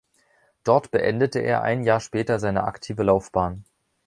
Dort beendete er ein Jahr später seine aktive Laufbahn.